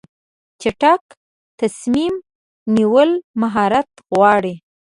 چټک تصمیم نیول مهارت غواړي.